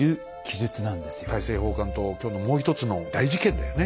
大政奉還と今日のもう一つの大事件だよね。